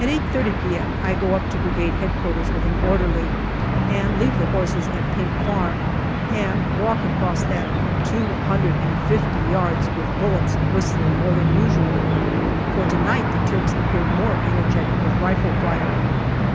At 8.30 p.m. I go up to Brigade H.Q. with an orderly, and leave the horses at Pink Farm, and walk across that two hundred and fifty yards with bullets whistling more than usual, for to night the Turks appear more energetic with rifle fire.